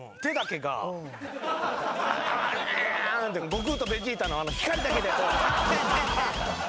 悟空とベジータの光だけで。